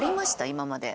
今まで。